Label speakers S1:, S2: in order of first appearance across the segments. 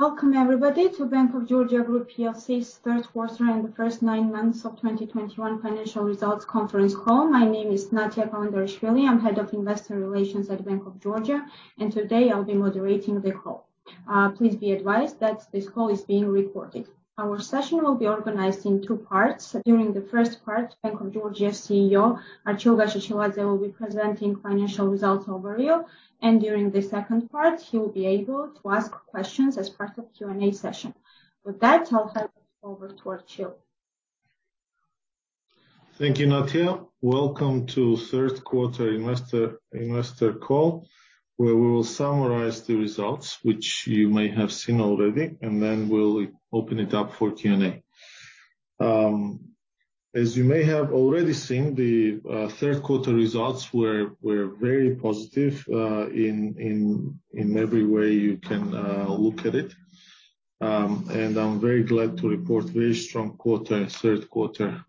S1: Welcome everybody to Bank of Georgia Group PLC's Third Quarter and the First Nine Months of 2021 Financial Results Conference Call. My name is Natia Kalandarishvili. I'm Head of Investor Relations at Bank of Georgia, and today I'll be moderating the call. Please be advised that this call is being recorded. Our session will be organized in two parts. During the first part, Bank of Georgia CEO, Archil Gachechiladze, will be presenting financial results overview. During the second part, he will be able to ask questions as part of Q&A session. With that, I'll hand over to Archil.
S2: Thank you, Natia. Welcome to third quarter investor call, where we will summarize the results which you may have seen already, and then we'll open it up for Q&A. As you may have already seen, the third quarter results were very positive in every way you can look at it. I'm very glad to report very strong third quarter.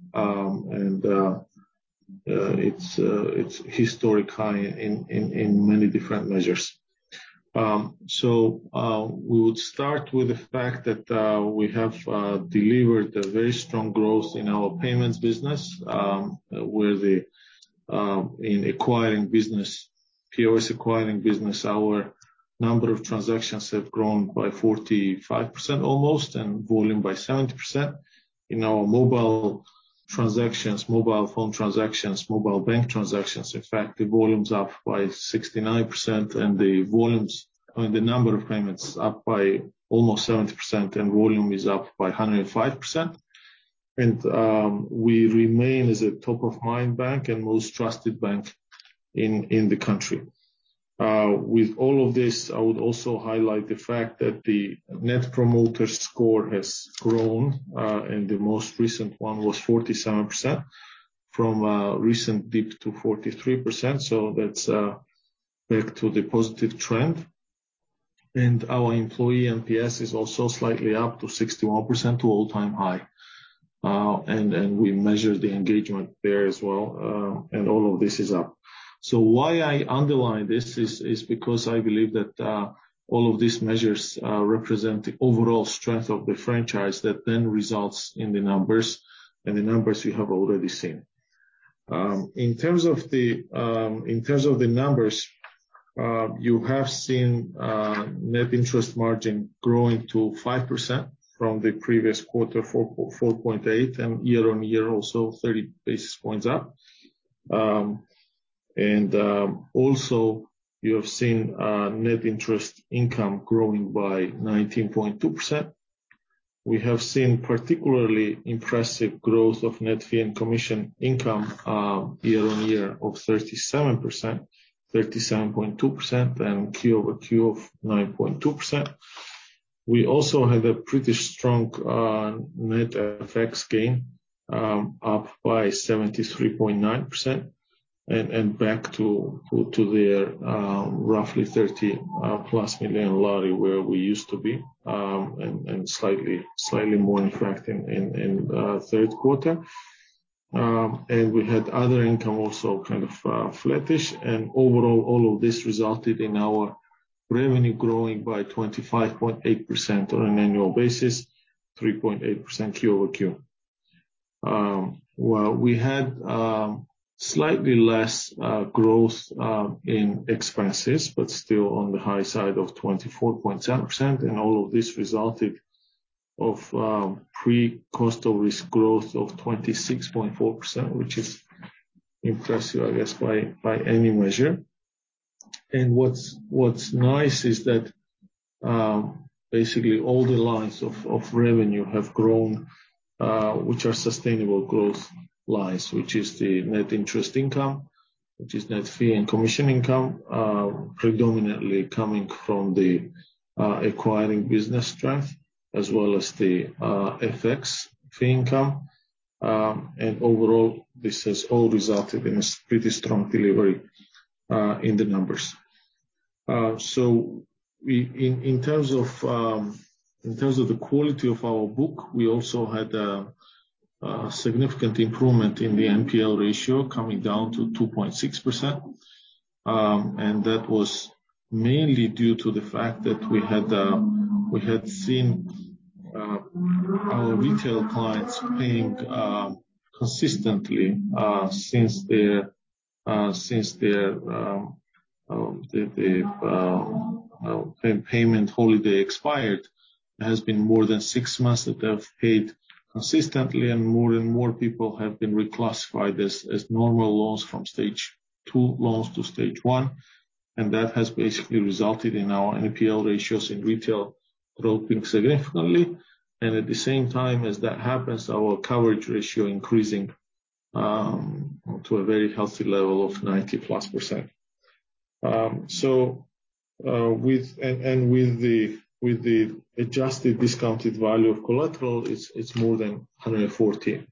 S2: It's historic high in many different measures. We would start with the fact that we have delivered a very strong growth in our payments business, where, in acquiring business, POS acquiring business, our number of transactions have grown by 45% almost, and volume by 70%. In our mobile transactions, mobile phone transactions, mobile bank transactions, in fact, the volume's up by 69% and the number of payments up by almost 70% and volume is up by 105%. We remain as a top-of-mind bank and most trusted bank in the country. With all of this, I would also highlight the fact that the Net Promoter Score has grown, and the most recent one was 47% from a recent dip to 43%. That's back to the positive trend. Our employee NPS is also slightly up to 61% to all-time high. We measure the engagement there as well, and all of this is up. Why I underline this is because I believe that all of these measures represent the overall strength of the franchise that then results in the numbers, and the numbers you have already seen. In terms of the numbers, you have seen net interest margin growing to 5% from the previous quarter, 4.8, and year-on-year also 30 basis points up. Also you have seen net interest income growing by 19.2%. We have seen particularly impressive growth of net fee and commission income year-on-year of 37.2% and quarter-over-quarter of 9.2%. We also had a pretty strong net FX gain up by 73.9% and back to there roughly GEL 30+ million lari where we used to be and slightly more in fact in third quarter. We had other income also kind of flattish. Overall, all of this resulted in our revenue growing by 25.8% on an annual basis, 3.8% Q-over-Q. Well, we had slightly less growth in expenses, but still on the high side of 24.7%. All of this resulted in pre-cost-of-risk growth of 26.4%, which is impressive, I guess, by any measure. What's nice is that basically all the lines of revenue have grown, which are sustainable growth lines. Which is the net interest income, net fee and commission income, predominantly coming from the acquiring business strength as well as the FX fee income. Overall, this has all resulted in a pretty strong delivery in the numbers. In terms of the quality of our book, we also had a significant improvement in the NPL ratio coming down to 2.6%. That was mainly due to the fact that we had seen our retail clients paying consistently since the payment holiday expired. It has been more than six months that they have paid consistently, and more and more people have been reclassified as normal loans from Stage 2 loans to Stage 1. That has basically resulted in our NPL ratios in retail dropping significantly. At the same time as that happens, our coverage ratio increasing to a very healthy level of 90+%. With the adjusted discounted value of collateral, it's more than 114%.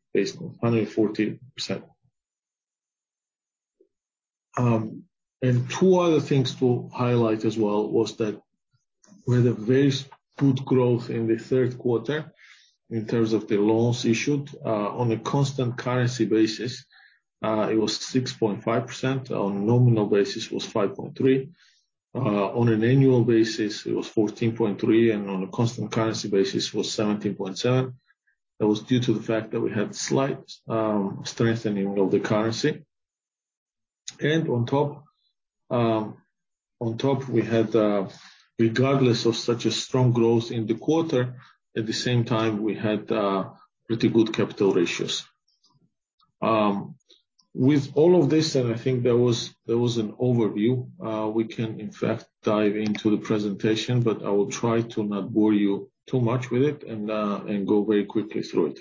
S2: Two other things to highlight as well was that we had a very good growth in the third quarter. In terms of the loans issued, on a constant currency basis, it was 6.5%. On a nominal basis was 5.3%. On an annual basis it was 14.3%, and on a constant currency basis was 17.7%. That was due to the fact that we had slight strengthening of the currency. On top, we had, regardless of such a strong growth in the quarter, at the same time we had pretty good capital ratios. With all of this, I think that was an overview. We can in fact dive into the presentation, but I will try to not bore you too much with it and go very quickly through it.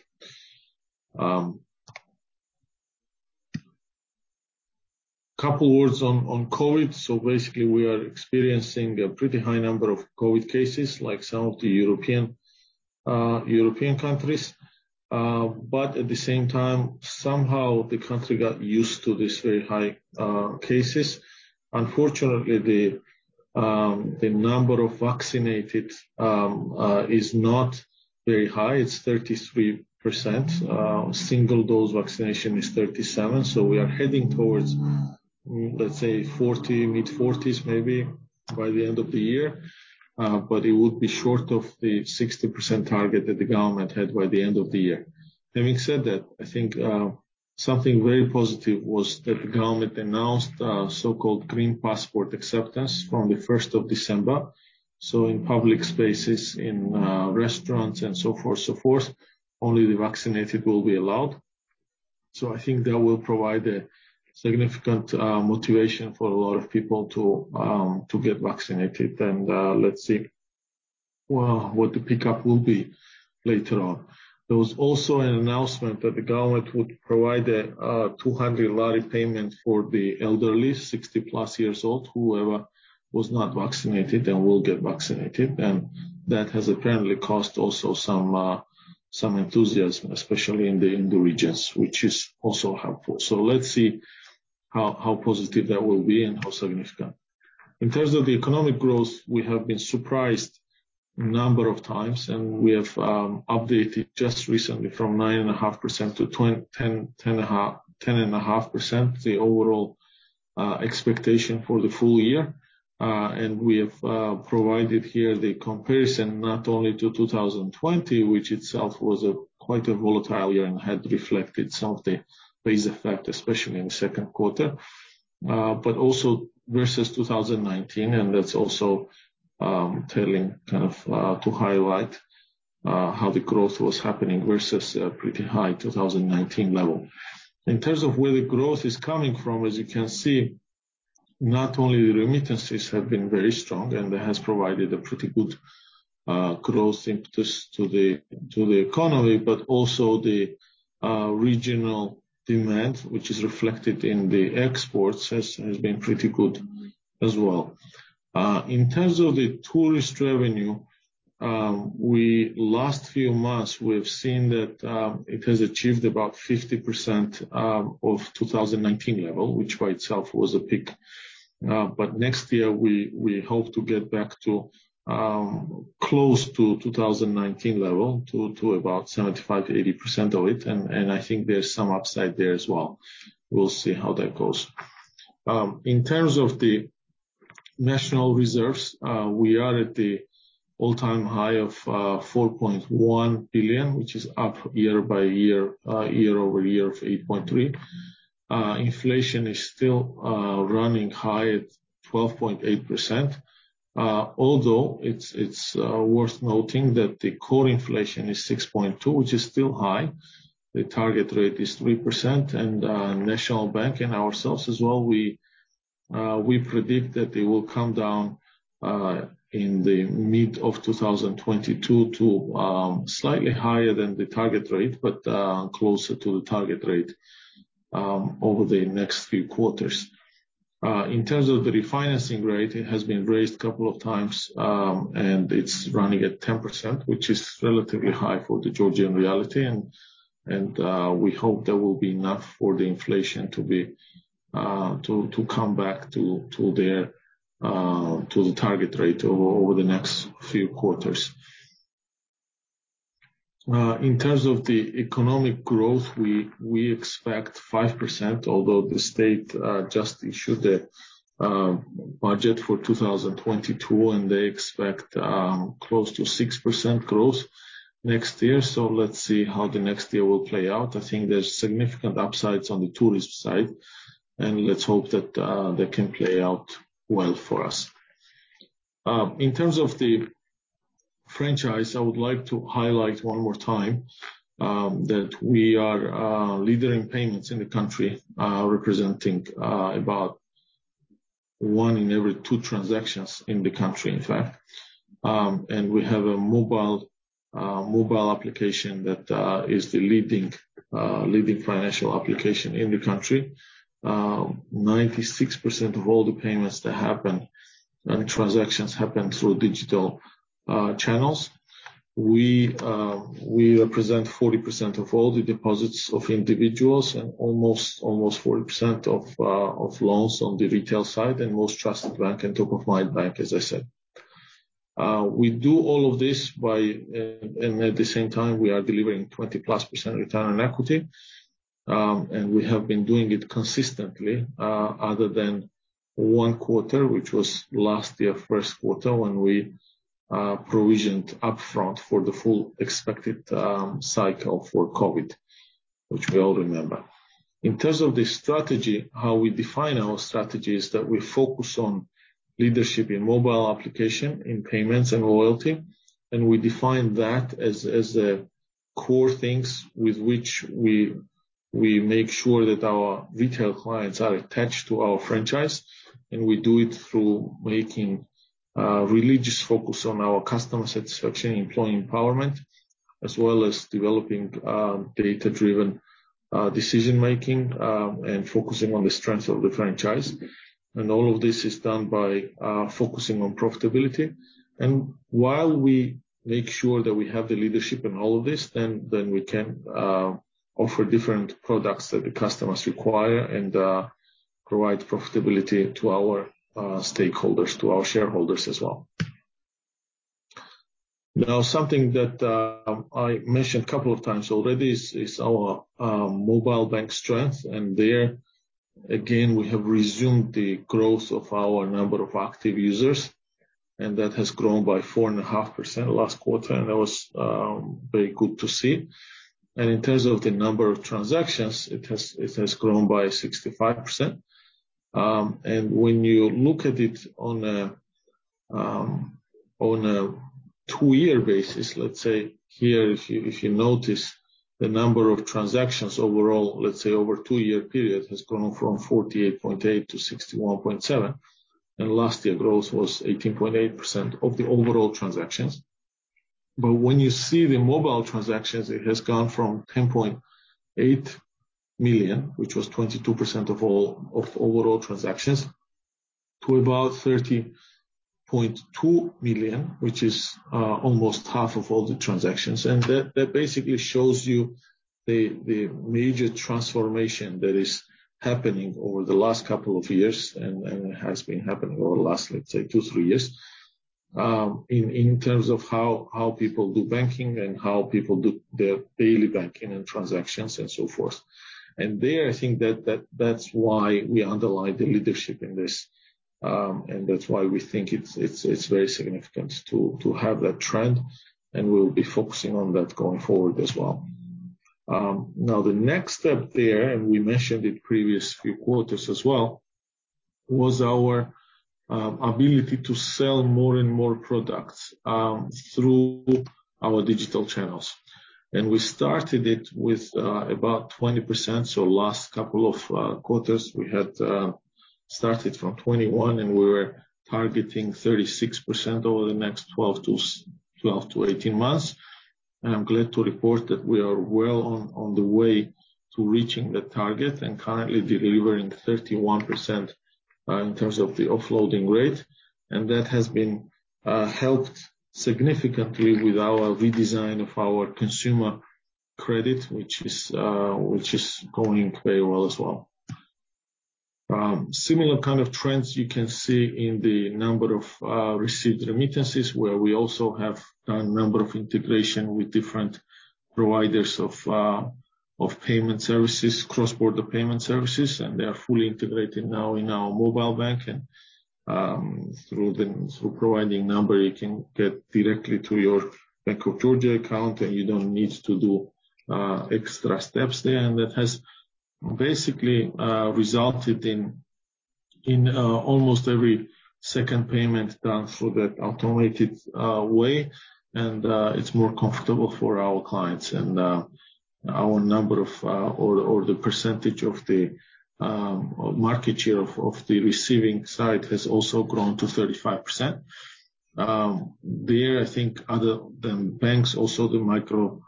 S2: Couple words on COVID. Basically, we are experiencing a pretty high number of COVID cases like some of the European countries. But at the same time, somehow the country got used to these very high cases. Unfortunately, the number of vaccinated is not very high. It's 33%. Single dose vaccination is 37%. We are heading towards, let's say 40, mid-40s maybe by the end of the year. But it would be short of the 60% target that the government had by the end of the year. Having said that, I think something very positive was that the government announced a so-called green passport acceptance from the first of December. In public spaces, in restaurants and so forth, only the vaccinated will be allowed. I think that will provide a significant motivation for a lot of people to get vaccinated. Let's see, well, what the pickup will be later on. There was also an announcement that the government would provide a GEL 200 payment for the elderly, 60+ years old, whoever was not vaccinated and will get vaccinated. That has apparently caused some enthusiasm, especially in the regions, which is also helpful. Let's see how positive that will be and how significant. In terms of the economic growth, we have been surprised a number of times, and we have updated just recently from 9.5% to 10.5%, the overall expectation for the full year. We have provided here the comparison not only to 2020, which itself was quite a volatile year and had reflected some of the base effect, especially in the second quarter, but also versus 2019. That's also telling kind of to highlight how the growth was happening versus a pretty high 2019 level. In terms of where the growth is coming from, as you can see, not only the remittances have been very strong, and that has provided a pretty good growth impetus to the economy. Also the regional demand, which is reflected in the exports, has been pretty good as well. In terms of the tourist revenue, in the last few months, we've seen that it has achieved about 50% of 2019 level, which by itself was a peak. Next year we hope to get back to close to 2019 level to about 75%-80% of it, and I think there's some upside there as well. We'll see how that goes. In terms of the national reserves, we are at the all-time high of $4.1 billion, which is up year over year of 8.3%. Inflation is still running high at 12.8%. Although it's worth noting that the core inflation is 6.2%, which is still high. The target rate is 3%. National Bank and ourselves as well, we predict that it will come down in the mid of 2022 to slightly higher than the target rate, but closer to the target rate over the next few quarters. In terms of the refinancing rate, it has been raised a couple of times, and it's running at 10%, which is relatively high for the Georgian reality. We hope that will be enough for the inflation to come back to the target rate over the next few quarters. In terms of the economic growth, we expect 5%, although the state just issued a budget for 2022, and they expect close to 6% growth next year. Let's see how the next year will play out. I think there's significant upsides on the tourist side, and let's hope that can play out well for us. In terms of the franchise, I would like to highlight one more time that we are leading payments in the country, representing about one in every two transactions in the country, in fact. We have a mobile application that is the leading financial application in the country. 96% of all the payments that happen and transactions happen through digital channels. We represent 40% of all the deposits of individuals and almost 40% of loans on the retail side, and most trusted bank and top-of-mind bank, as I said. We do all of this by, and at the same time we are delivering 20%+ return on equity. We have been doing it consistently, other than one quarter, which was last year first quarter, when we provisioned up front for the full expected cycle for COVID, which we all remember. In terms of the strategy, how we define our strategy is that we focus on leadership in mobile application, in payments and loyalty, and we define that as the core things with which we make sure that our retail clients are attached to our franchise. We do it through making relentless focus on our customer satisfaction, employee empowerment, as well as developing data-driven decision-making and focusing on the strengths of the franchise. All of this is done by focusing on profitability. While we make sure that we have the leadership in all of this, then we can offer different products that the customers require and provide profitability to our stakeholders, to our shareholders as well. Now, something that I mentioned a couple of times already is our mobile bank strength. There, again, we have resumed the growth of our number of active users, and that has grown by 4.5% last quarter, and that was very good to see. In terms of the number of transactions, it has grown by 65%. When you look at it on a two-year basis, let's say here, if you notice the number of transactions overall, let's say over a two-year period, has grown from 48.8 to 61.7. Last year growth was 18.8% of the overall transactions. When you see the mobile transactions, it has gone from 10.8 million, which was 22% of overall transactions, to about 30.2 million, which is almost half of all the transactions. That basically shows you the major transformation that is happening over the last couple of years and has been happening over the last, let's say 2, 3 years, in terms of how people do banking and how people do their daily banking and transactions and so forth. There I think that's why we underline the leadership in this. That's why we think it's very significant to have that trend, and we will be focusing on that going forward as well. Now the next step there, we mentioned it previous few quarters as well, was our ability to sell more and more products through our digital channels. We started it with about 20%. Last couple of quarters we had started from 21 and we were targeting 36% over the next 12 to 18 months. I'm glad to report that we are well on the way to reaching the target and currently delivering 31% in terms of the offloading rate. That has been helped significantly with our redesign of our consumer credit, which is going very well as well. Similar kind of trends you can see in the number of received remittances, where we also have done a number of integration with different providers of payment services, cross-border payment services, and they are fully integrated now in our mobile bank. Through providing number, you can get directly to your Bank of Georgia account, and you don't need to do extra steps there. That has basically resulted in almost every second payment done through that automated way. It's more comfortable for our clients. Our number or the percentage of the market share of the receiving side has also grown to 35%. I think other than banks, also the micro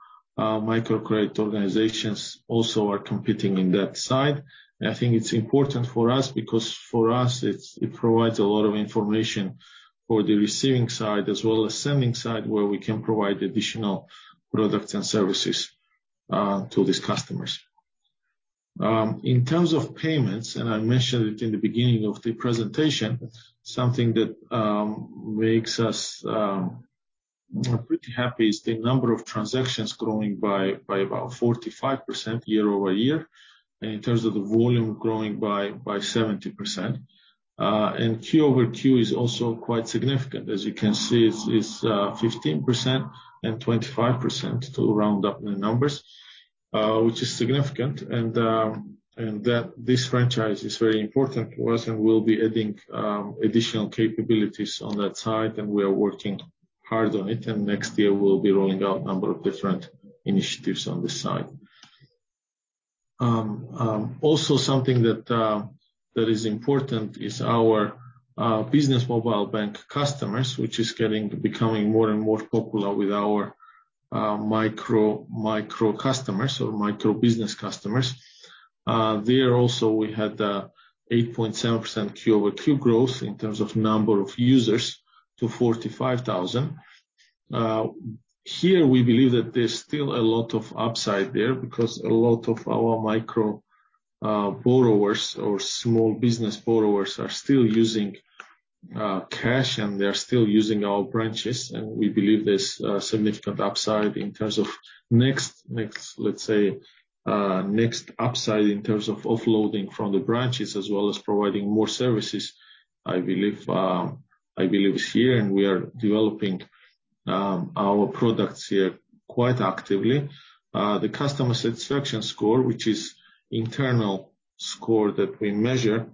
S2: credit organizations also are competing in that side. I think it's important for us because for us it provides a lot of information for the receiving side as well as sending side where we can provide additional products and services to these customers. In terms of payments, I mentioned it in the beginning of the presentation, something that makes us pretty happy is the number of transactions growing by about 45% year-over-year. In terms of the volume growing by 70%. Q-over-Q is also quite significant. As you can see it's 15% and 25% to round up the numbers, which is significant. that this franchise is very important to us, and we'll be adding additional capabilities on that side, and we are working hard on it. Next year, we'll be rolling out a number of different initiatives on this side. Also something that is important is our business mobile bank customers, which is becoming more and more popular with our micro customers or micro business customers. There also we had 8.7% Q-over-Q growth in terms of number of users to 45,000. Here we believe that there's still a lot of upside there because a lot of our micro borrowers or small business borrowers are still using cash, and they are still using our branches. We believe there's a significant upside in terms of next upside in terms of offloading from the branches as well as providing more services. I believe here, and we are developing our products here quite actively. The customer satisfaction score, which is internal score that we measure,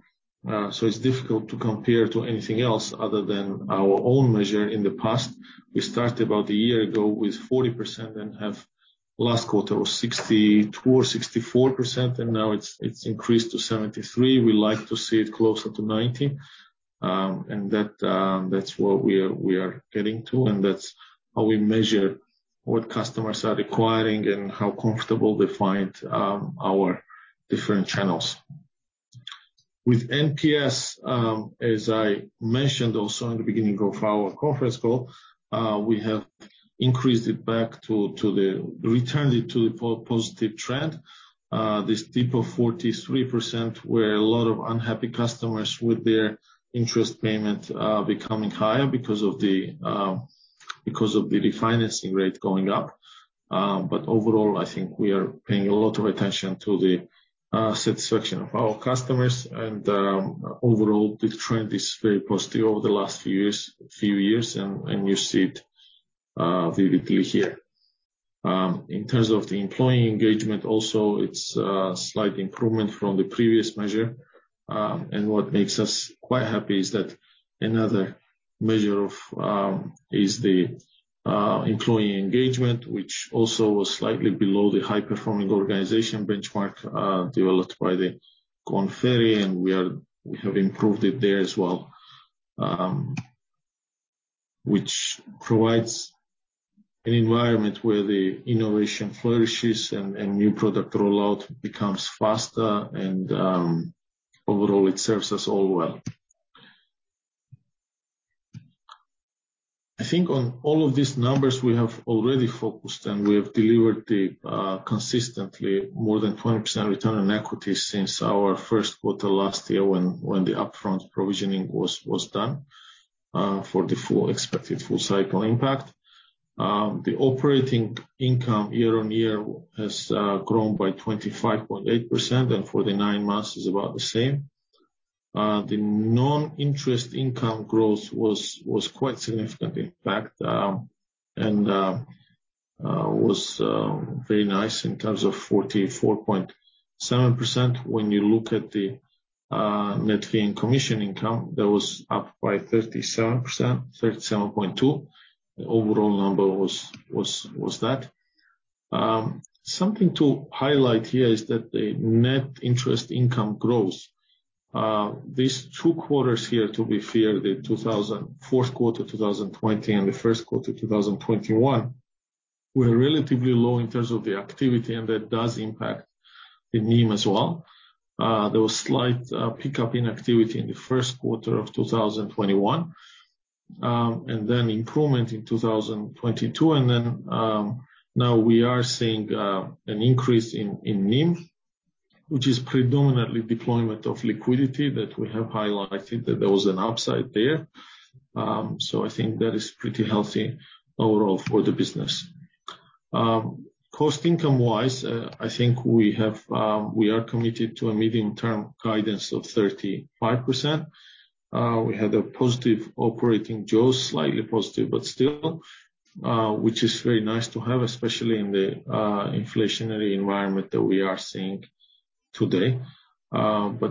S2: so it's difficult to compare to anything else other than our own measure in the past. We started about a year ago with 40% and have. Last quarter was 62% or 64%, and now it's increased to 73%. We like to see it closer to 90%. That, that's what we are getting to, and that's how we measure what customers are requiring and how comfortable they find our different channels. With NPS, as I mentioned also in the beginning of our conference call, we have returned it to a positive trend. This dip of 43%, where a lot of unhappy customers with their interest payment becoming higher because of the refinancing rate going up. Overall, I think we are paying a lot of attention to the satisfaction of our customers. Overall, the trend is very positive over the last few years, and you see it vividly here. In terms of the employee engagement also, it's a slight improvement from the previous measure. What makes us quite happy is that another measure is the employee engagement, which also was slightly below the high-performing organization benchmark developed by Kincentric, and we have improved it there as well. Which provides an environment where the innovation flourishes and new product rollout becomes faster and overall, it serves us all well. I think on all of these numbers, we have already focused, and we have delivered consistently more than 20% return on equity since our first quarter last year when the upfront provisioning was done for the full expected full cycle impact. The operating income year-on-year has grown by 25.8%, and for the nine months is about the same. The non-interest income growth was quite significant, in fact, and was very nice in terms of 44.7%. When you look at the net fee and commission income, that was up by 37.2%. The overall number was that. Something to highlight here is that the net interest income growth, these two quarters here, to be fair, the fourth quarter 2020 and the first quarter 2021, were relatively low in terms of the activity, and that does impact the NIM as well. There was slight pickup in activity in the first quarter of 2021, and then improvement in 2022. Now we are seeing an increase in NIM, which is predominantly deployment of liquidity that we have highlighted that there was an upside there. I think that is pretty healthy overall for the business. Cost-to-income wise, I think we are committed to a medium-term guidance of 35%. We had a positive operating jaws, slightly positive, but still, which is very nice to have, especially in the inflationary environment that we are seeing today.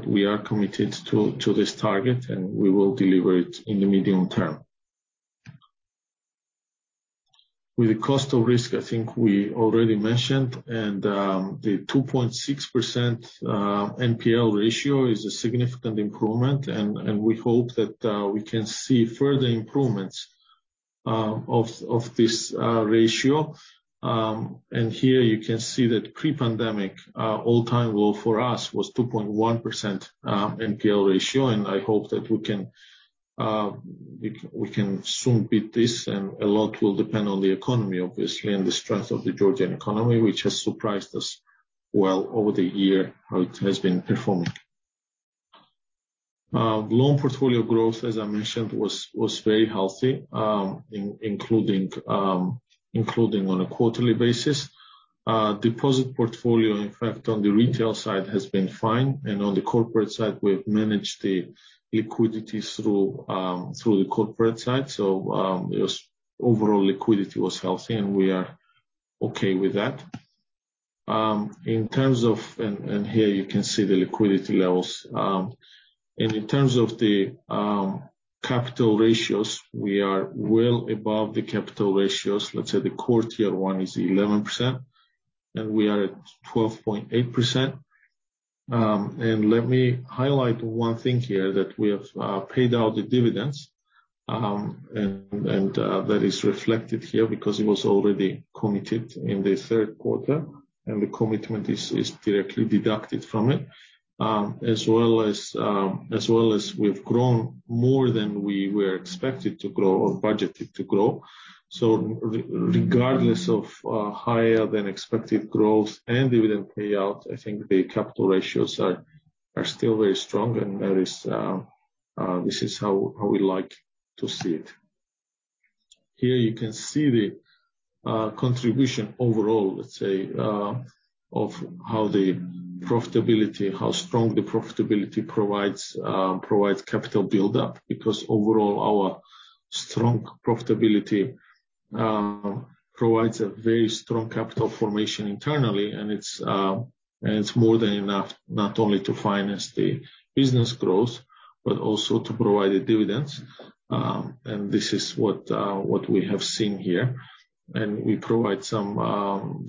S2: We are committed to this target, and we will deliver it in the medium term. With the cost of risk, I think we already mentioned, and the 2.6% NPL ratio is a significant improvement, and we hope that we can see further improvements of this ratio. Here you can see that pre-pandemic, all-time low for us was 2.1%, NPL ratio, and I hope that we can soon beat this. A lot will depend on the economy, obviously, and the strength of the Georgian economy, which has surprised us well over the year, how it has been performing. Loan portfolio growth, as I mentioned, was very healthy, including on a quarterly basis. Deposit portfolio, in fact, on the retail side has been fine. On the corporate side, we've managed the liquidity through the corporate side. Overall liquidity was healthy, and we are okay with that. In terms of here you can see the liquidity levels. In terms of the capital ratios, we are well above the capital ratios. Let's say the Core Tier 1 is 11%, and we are at 12.8%. Let me highlight one thing here, that we have paid out the dividends, and that is reflected here because it was already committed in the third quarter, and the commitment is directly deducted from it. As well as we've grown more than we were expected to grow or budgeted to grow. Regardless of higher than expected growth and dividend payout, I think the capital ratios are still very strong, and that is how we like to see it. Here you can see the contribution overall, let's say, of how the profitability, how strong the profitability provides capital buildup, because overall, our strong profitability provides a very strong capital formation internally, and it's more than enough, not only to finance the business growth, but also to provide the dividends. This is what we have seen here. We provide some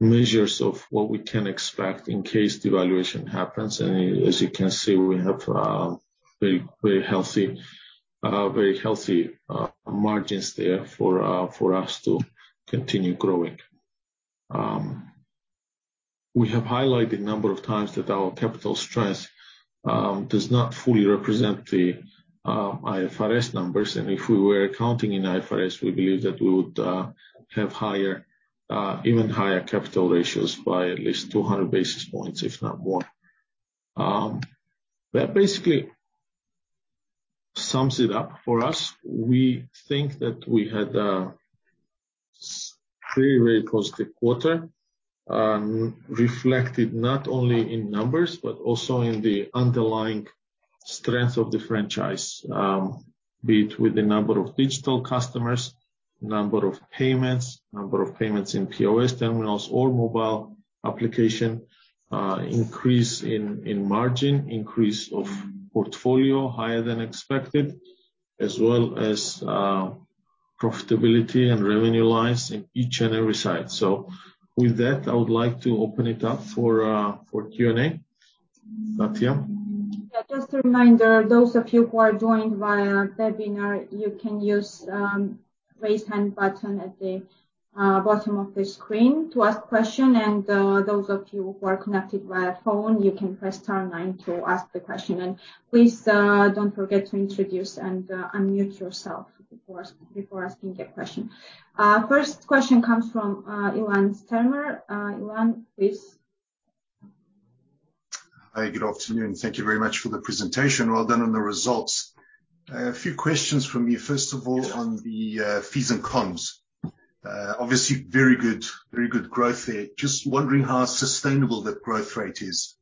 S2: measures of what we can expect in case devaluation happens. As you can see, we have very healthy margins there for us to continue growing. We have highlighted a number of times that our capital stress does not fully represent the IFRS numbers. If we were accounting in IFRS, we believe that we would have higher, even higher capital ratios by at least 200 basis points, if not more. That basically sums it up for us. We think that we had a pretty very positive quarter, reflected not only in numbers, but also in the underlying strength of the franchise, be it with the number of digital customers, number of payments in POS terminals or mobile application, increase in margin, increase of portfolio higher than expected, as well as profitability and revenue lines in each and every side. With that, I would like to open it up for Q&A. Natia?
S1: Yeah. Just a reminder, those of you who are joined via webinar, you can use raise hand button at the bottom of the screen to ask question. Those of you who are connected via phone, you can press star nine to ask the question. Please don't forget to introduce and unmute yourself before asking that question. First question comes from Ilan Stermer. Ilan, please.
S3: Hi. Good afternoon. Thank you very much for the presentation. Well done on the results. I have a few questions from me, first of all, on the fees and comms. Obviously very good growth there. Just wondering how sustainable that growth rate is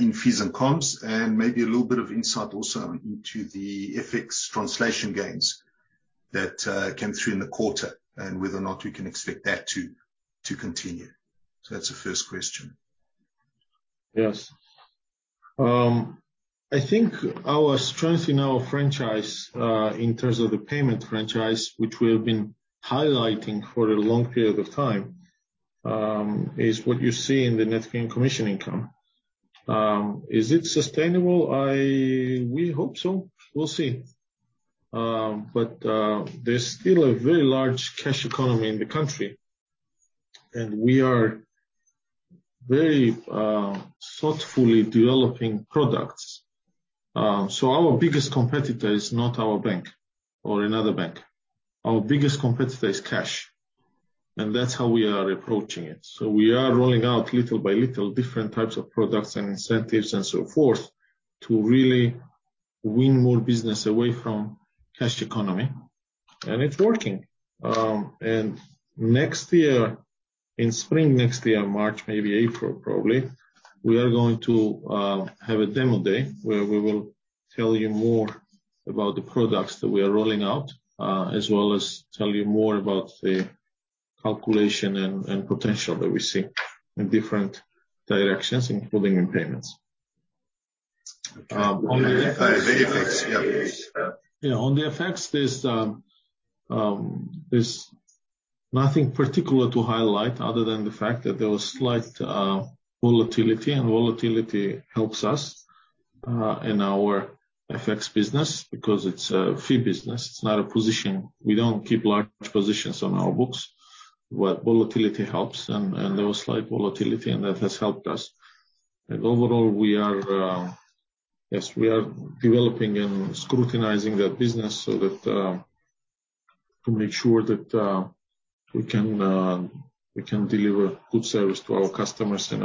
S3: in fees and comms, and maybe a little bit of insight also into the FX translation gains that came through in the quarter and whether or not we can expect that to continue. That's the first question.
S2: Yes. I think our strength in our franchise, in terms of the payment franchise, which we have been highlighting for a long period of time, is what you see in the net fee and commission income. Is it sustainable? We hope so. We'll see. There's still a very large cash economy in the country, and we are very thoughtfully developing products. Our biggest competitor is not our bank or another bank. Our biggest competitor is cash, and that's how we are approaching it. We are rolling out little by little different types of products and incentives and so forth to really win more business away from cash economy. It's working. Next year, in spring next year, March, maybe April, probably, we are going to have a demo day where we will tell you more about the products that we are rolling out, as well as tell you more about the calculation and potential that we see in different directions, including in payments.
S3: On the FX.
S2: Yeah. On the FX, there's nothing particular to highlight other than the fact that there was slight volatility, and volatility helps us in our FX business because it's a fee business. It's not a position. We don't keep large positions on our books. But volatility helps and there was slight volatility, and that has helped us. Overall, we are developing and scrutinizing that business so that to make sure that we can deliver good service to our customers and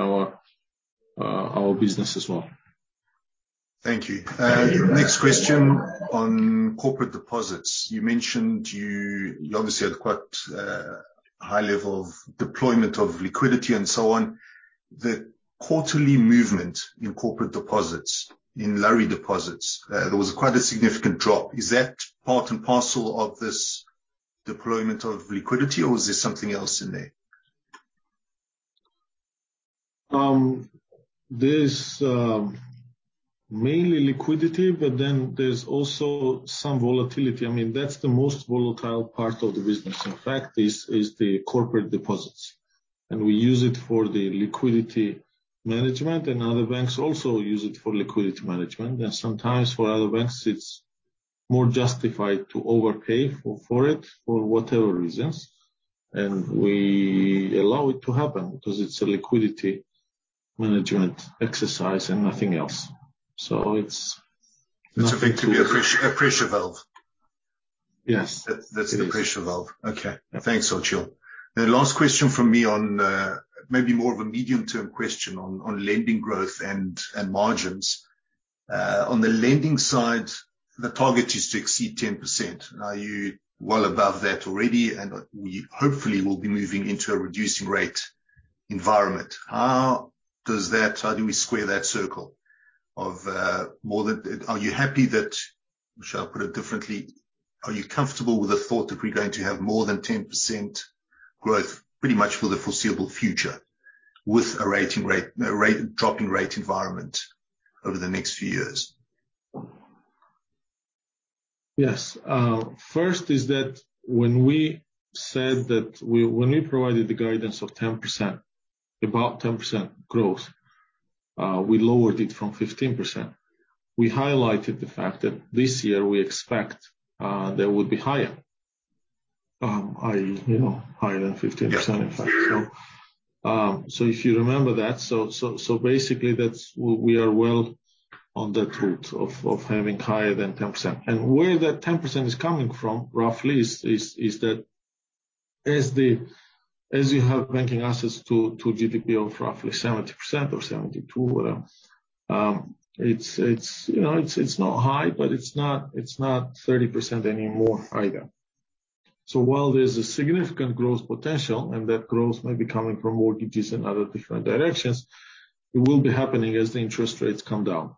S2: our business as well.
S3: Thank you. Next question on corporate deposits. You mentioned you obviously had quite a high level of deployment of liquidity and so on. The quarterly movement in corporate deposits, in lari deposits, there was quite a significant drop. Is that part and parcel of this deployment of liquidity, or is there something else in there?
S2: There's mainly liquidity, but then there's also some volatility. I mean, that's the most volatile part of the business. In fact, this is the corporate deposits, and we use it for the liquidity management, and other banks also use it for liquidity management. Sometimes for other banks, it's more justified to overpay for it for whatever reasons. We allow it to happen because it's a liquidity management exercise and nothing else. It's
S3: It's a bit to be appreciation value.
S2: Yes.
S3: That's the pressure valve. Okay. Thanks, Archil. The last question from me on maybe more of a medium-term question on lending growth and margins. On the lending side, the target is to exceed 10%. Now you're well above that already, and we hopefully will be moving into a reducing rate environment. How do we square that circle of more than. Are you happy that. Shall I put it differently? Are you comfortable with the thought that we're going to have more than 10% growth pretty much for the foreseeable future with a reducing rate, a rate dropping rate environment over the next few years?
S2: Yes. First is that when we provided the guidance of 10%, about 10% growth, we lowered it from 15%. We highlighted the fact that this year we expect that it would be higher. I, you know, higher than 15%, in fact. If you remember that. Basically, that we are well on that route of having higher than 10%. And where that 10% is coming from roughly is that as you have banking assets to GDP of roughly 70% or 72, whatever, it's, you know, it's not high, but it's not 30% anymore either. While there's a significant growth potential, and that growth may be coming from mortgages and other different directions, it will be happening as the interest rates come down.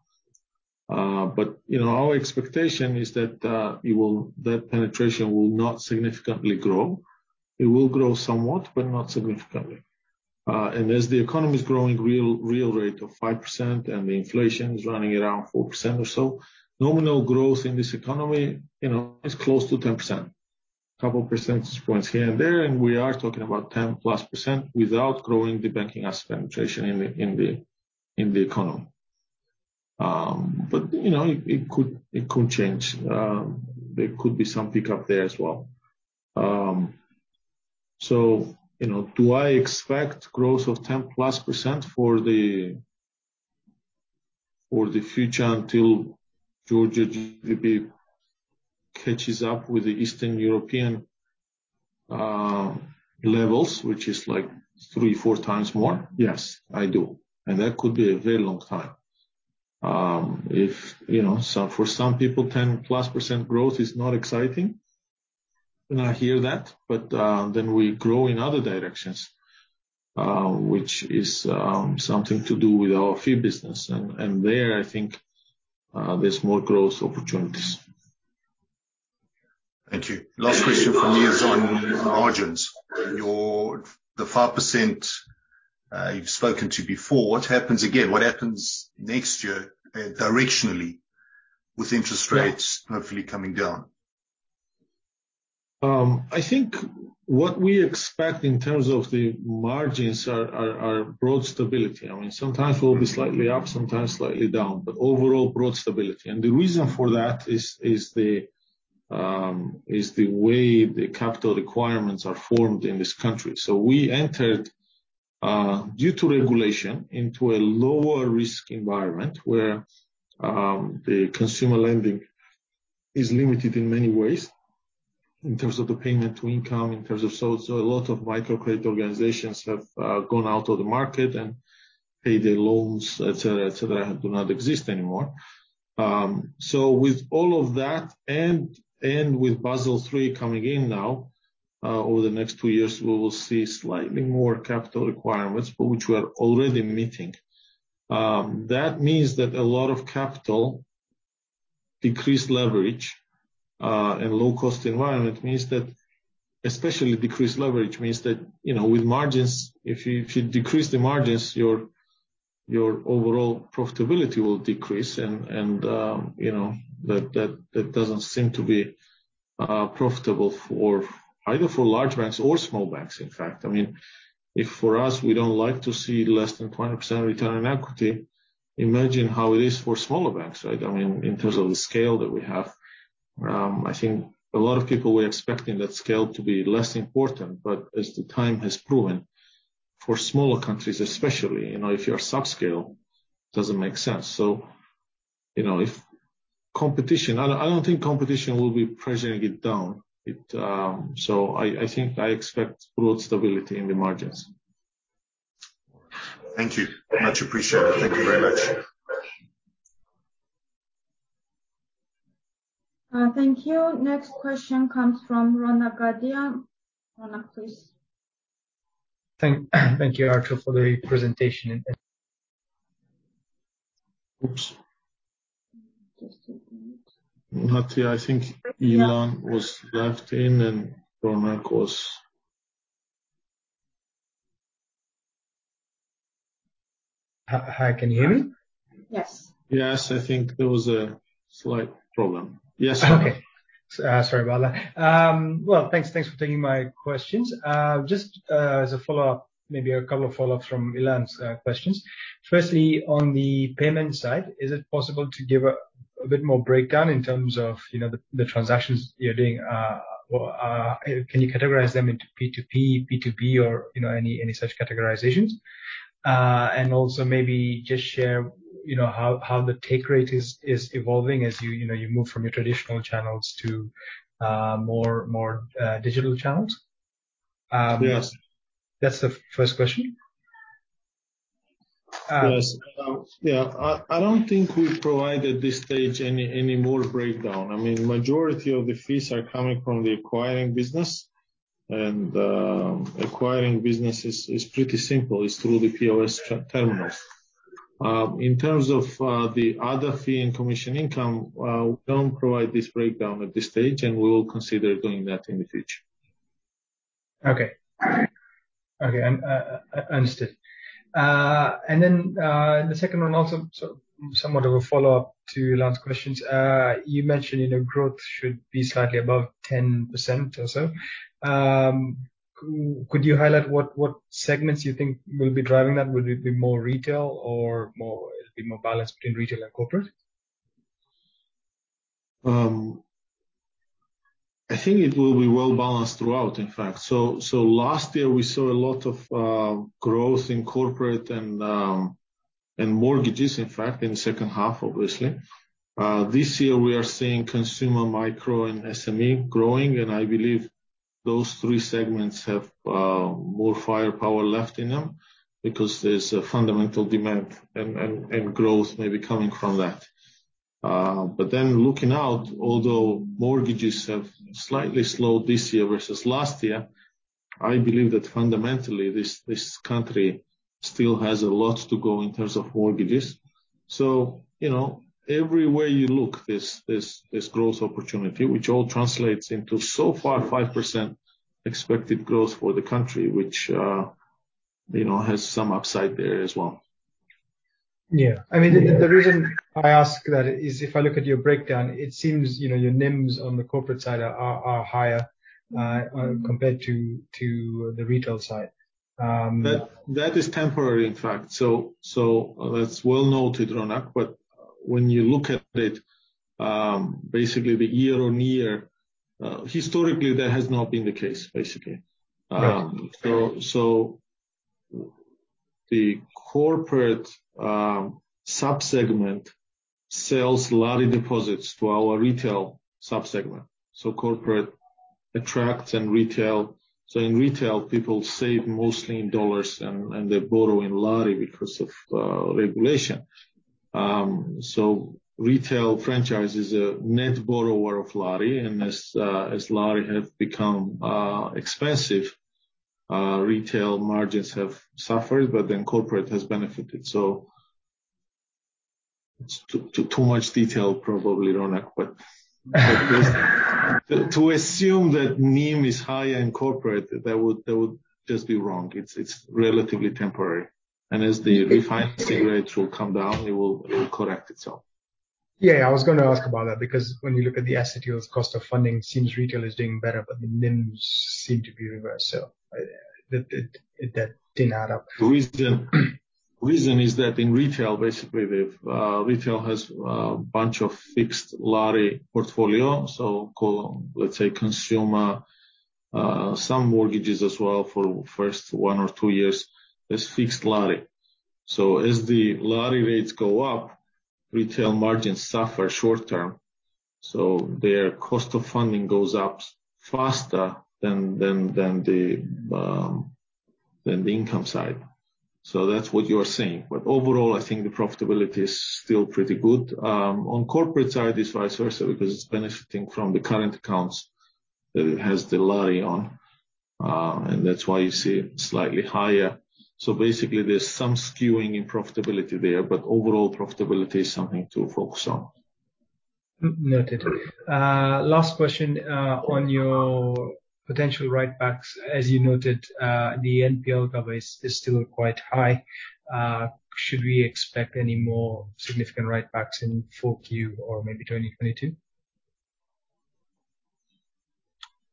S2: You know, our expectation is that that penetration will not significantly grow. It will grow somewhat, but not significantly. As the economy is growing real rate of 5% and the inflation is running around 4% or so, nominal growth in this economy, you know, is close to 10%. A couple percentage points here and there, and we are talking about 10%+ without growing the banking asset penetration in the economy. You know, it could change. There could be some pickup there as well. You know, do I expect growth of 10%+ for the future until Georgia GDP catches up with the Eastern European levels, which is like 3-4 times more? Yes, I do. That could be a very long time. If, you know, for some people, 10%+ growth is not exciting, and I hear that. We grow in other directions, which is something to do with our fee business. There, I think, there's more growth opportunities.
S3: Thank you. Last question from me is on margins. Your the 5% you've spoken to before. What happens next year, again, directionally with interest rates hopefully coming down?
S2: I think what we expect in terms of the margins are broad stability. I mean, sometimes we'll be slightly up, sometimes slightly down, but overall broad stability. The reason for that is the way the capital requirements are formed in this country. We entered, due to regulation, into a lower risk environment where the consumer lending is limited in many ways in terms of the payment to income. A lot of microcredit organizations have gone out of the market and paid their loans, et cetera, et cetera, do not exist anymore. With all of that and with Basel III coming in now, over the next two years, we will see slightly more capital requirements, but which we are already meeting. That means that a lot of capital decreased leverage and low cost environment means that especially decreased leverage means that, you know, with margins, if you, if you decrease the margins, your overall profitability will decrease. You know, that doesn't seem to be profitable for either for large banks or small banks, in fact. I mean, if for us, we don't like to see less than 20% return on equity, imagine how it is for smaller banks, right? I mean, in terms of the scale that we have. I think a lot of people were expecting that scale to be less important. As the time has proven, for smaller countries especially, you know, if you're subscale, it doesn't make sense. You know, if competition I don't think competition will be pressing it down. It I think I expect broad stability in the margins.
S3: Thank you. Much appreciated.
S2: Thank you very much.
S1: Thank you. Next question comes from Ronak Gadhia. Rona, please.
S4: Thank you, Archil Gachechiladze, for the presentation.
S2: Oops.
S1: Just a moment.
S2: Natia, I think Ilan was left in and Ronak was-
S4: Hi. Hi, can you hear me?
S1: Yes.
S2: Yes. I think there was a slight problem. Yes.
S4: Okay. Sorry about that. Well, thanks for taking my questions. Just as a follow-up, maybe a couple of follow-ups from Ilan's questions. Firstly, on the payment side, is it possible to give a bit more breakdown in terms of, you know, the transactions you're doing? Can you categorize them into P2P, B2B or, you know, any such categorizations? Also maybe just share, you know, how the take rate is evolving as you know, move from your traditional channels to more digital channels.
S2: Yes.
S4: That's the first question.
S2: Yes. I don't think we provide at this stage any more breakdown. I mean, majority of the fees are coming from the acquiring business. Acquiring business is pretty simple. It's through the POS terminals. In terms of the other fee and commission income, we don't provide this breakdown at this stage, and we will consider doing that in the future.
S4: Okay. Understood. Then, the second one also so somewhat of a follow-up to last questions. You mentioned, you know, growth should be slightly above 10% or so. Could you highlight what segments you think will be driving that? Would it be more retail or more... It'll be more balanced between retail and corporate?
S2: I think it will be well balanced throughout, in fact. Last year we saw a lot of growth in corporate and mortgages, in fact, in the second half, obviously. This year we are seeing consumer micro and SME growing, and I believe those three segments have more firepower left in them because there's a fundamental demand and growth maybe coming from that. Looking out, although mortgages have slightly slowed this year versus last year, I believe that fundamentally this country still has a lot to go in terms of mortgages. You know, everywhere you look there's growth opportunity, which all translates into so far 5% expected growth for the country which, you know, has some upside there as well.
S4: Yeah. I mean, the reason I ask that is if I look at your breakdown, it seems, you know, your NIMs on the corporate side are higher compared to the retail side.
S2: That is temporary, in fact. That's well noted, Ronak. When you look at it, basically the year-on-year, historically that has not been the case, basically.
S4: Right.
S2: The corporate sub-segment sells lari deposits to our retail sub-segment. In retail, people save mostly in dollars and they borrow in lari because of regulation. Retail franchise is a net borrower of lari. As lari have become expensive, retail margins have suffered, but then corporate has benefited. Too much detail probably, Ronak. To assume that NIM is higher in corporate, that would just be wrong. It's relatively temporary. As the refinancing rates will come down, it will correct itself.
S4: Yeah. I was gonna ask about that because when you look at the asset yields cost of funding, it seems retail is doing better, but the NIMs seem to be reversed. That didn't add up.
S2: The reason is that in retail basically retail has a bunch of fixed lari portfolio. Let's say consumer, some mortgages as well for first one or two years is fixed lari. As the lari rates go up, retail margins suffer short term. Their cost of funding goes up faster than the income side. That's what you are seeing. Overall, I think the profitability is still pretty good. On corporate side it's vice versa because it's benefiting from the current accounts that it has the lari on. That's why you see it slightly higher. Basically there's some skewing in profitability there, but overall profitability is something to focus on.
S4: Noted. Last question on your potential write backs. As you noted, the NPL cover is still quite high. Should we expect any more significant write backs in 4Q or maybe 2022?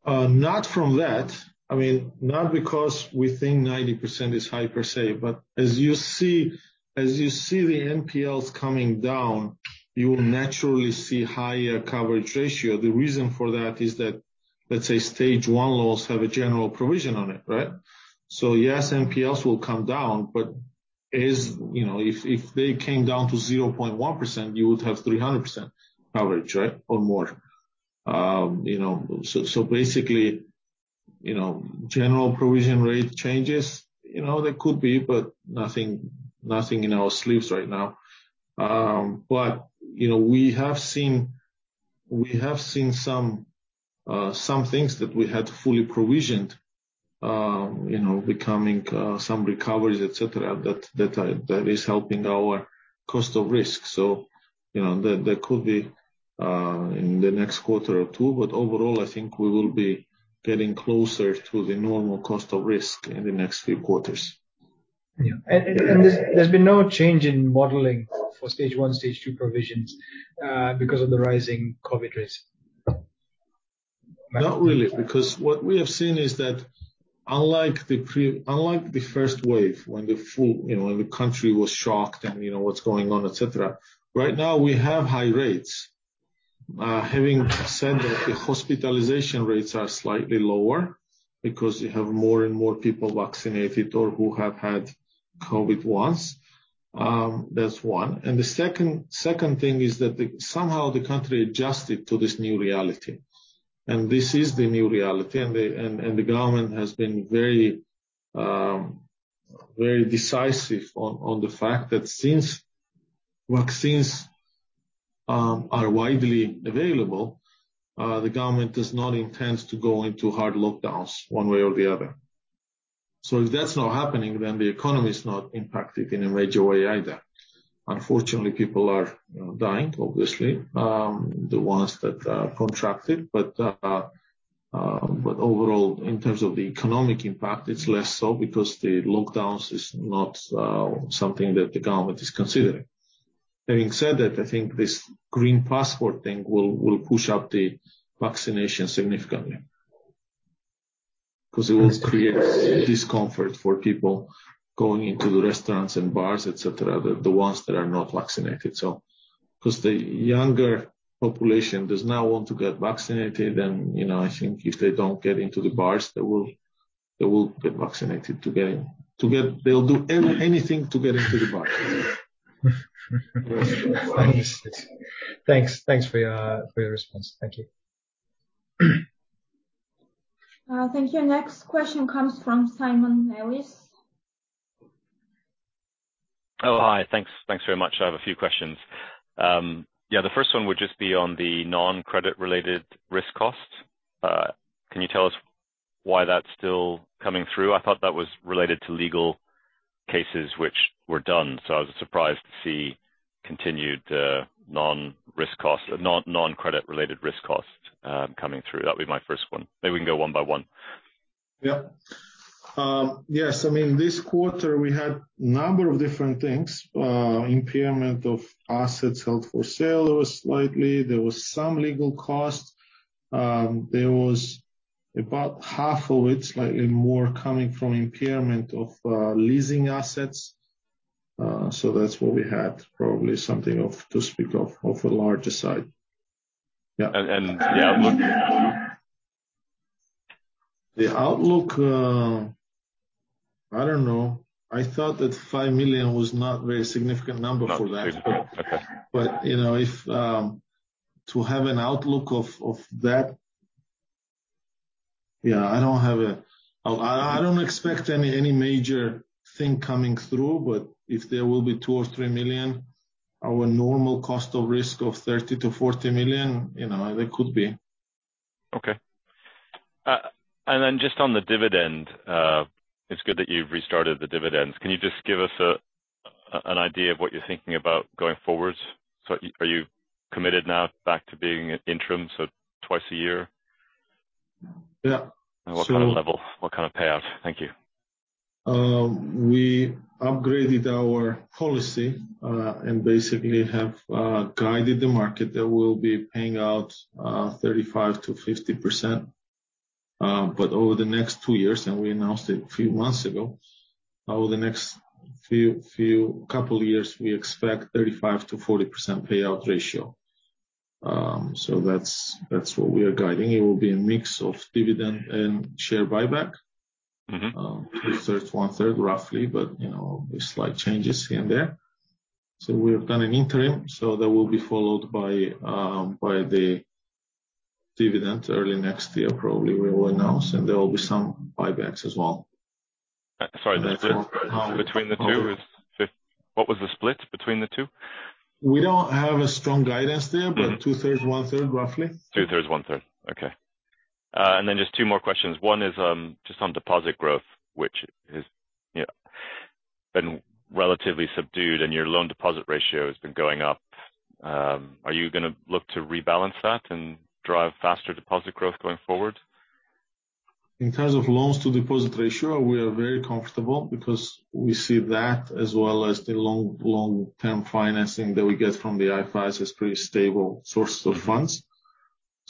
S2: Not from that. I mean, not because we think 90% is high per se, but as you see the NPLs coming down, you will naturally see higher coverage ratio. The reason for that is that, let's say Stage 1 loans have a general provision on it, right? So yes, NPLs will come down. You know, if they came down to 0.1%, you would have 300% coverage, right? Or more. You know, so basically, you know, general provision rate changes. You know, there could be, but nothing in our sleeves right now. But, you know, we have seen some things that we had fully provisioned, you know, becoming some recoveries, etc. That is helping our cost of risk. You know, there could be in the next quarter or two, but overall I think we will be getting closer to the normal cost of risk in the next few quarters.
S4: Yeah. There's been no change in modeling for Stage 1, Stage 2 provisions because of the rising COVID rates?
S2: Not really. Because what we have seen is that unlike the first wave when the country was shocked and you know what's going on, etc. Right now we have high rates. Having said that, the hospitalization rates are slightly lower because you have more and more people vaccinated or who have had COVID once. That's one. The second thing is that somehow the country adjusted to this new reality. This is the new reality. The government has been very decisive on the fact that since vaccines are widely available, the government does not intend to go into hard lockdowns one way or the other. If that's not happening, then the economy is not impacted in a major way either. Unfortunately, people are, you know, dying, obviously, the ones that contracted. Overall, in terms of the economic impact, it's less so because the lockdowns is not something that the government is considering. Having said that, I think this green passport thing will push up the vaccination significantly. 'Cause it will create discomfort for people going into restaurants and bars, et cetera, the ones that are not vaccinated. 'Cause the younger population does now want to get vaccinated, and, you know, I think if they don't get into the bars, they will get vaccinated to get in. They'll do anything to get into the bar.
S4: Thanks. Thanks for your response.
S2: Thank you.
S1: Thank you. Next question comes from Simon Clements.
S5: Oh, hi. Thanks very much. I have a few questions. Yeah, the first one would just be on the non-credit related risk costs. Can you tell us why that's still coming through? I thought that was related to legal cases which were done. I was surprised to see continued non-credit related risk costs coming through. That'd be my first one. Maybe we can go one by one.
S2: Yeah. Yes. I mean, this quarter we had number of different things. Impairment of assets held for sale. There was some legal costs. There was about half of it, slightly more coming from impairment of leasing assets. That's what we had probably something to speak of on the larger side. Yeah.
S5: Yeah, looking at the outlook.
S2: The outlook, I don't know. I thought that GEL 5 million was not very significant number for that.
S5: Okay.
S2: You know, yeah, I don't expect any major thing coming through, but if there will be GEL 2 million or GEL 3 million, our normal cost of risk of GEL 30 million-GEL 40 million, you know, there could be.
S5: Okay. Just on the dividend, it's good that you've restarted the dividends. Can you just give us an idea of what you're thinking about going forward? Are you committed now back to being at interim, so twice a year?
S2: Yeah.
S5: What kind of level? What kind of payout? Thank you.
S2: We upgraded our policy and basically have guided the market that we'll be paying out 35%-50%. Over the next two years, and we announced it a few months ago. Over the next few couple of years, we expect 35%-40% payout ratio. That's what we are guiding. It will be a mix of dividend and share buyback.
S5: Mm-hmm.
S2: Two-thirds, one-third, roughly, but you know, with slight changes here and there. We've done an interim, so that will be followed by the dividend early next year. Probably we will announce, and there will be some buybacks as well.
S5: What was the split between the two?
S2: We don't have a strong guidance there.
S5: Mm-hmm.
S2: Two-thirds, one-third, roughly.
S5: Two-thirds, one-third. Okay. Then just two more questions. One is just on deposit growth, which has, you know, been relatively subdued and your loan deposit ratio has been going up. Are you gonna look to rebalance that and drive faster deposit growth going forward?
S2: In terms of loans to deposit ratio, we are very comfortable because we see that as well as the long-term financing that we get from the IFIs is pretty stable source of funds.